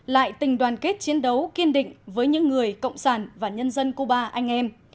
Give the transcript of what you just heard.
lại tình đoàn kết chiến đấu kiên định với những người cộng sản và nhân dân cuba anh em